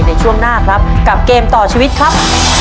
ในช่วงหน้าครับกับเกมต่อชีวิตครับ